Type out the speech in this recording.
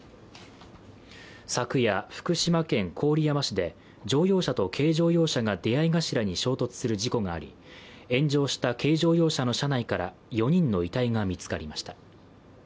昨夜、福島県郡山市で乗用車と軽乗用車が出会い頭に衝突する事故があり炎上した軽乗用車の車内から４人の遺体が見つかりました。